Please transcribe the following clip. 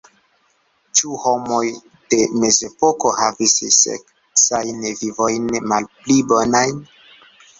Ĉu homoj de mezepoko havis seksajn vivojn malpli bonajn?